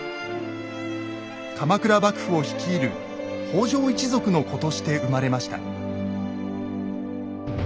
鎌倉幕府を率いる北条一族の子として生まれました。